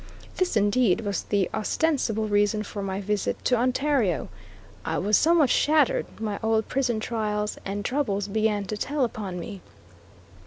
This, indeed, was the ostensible reason for my visit to Ontario. I was somewhat shattered; my old prison trials and troubles began to tell upon me.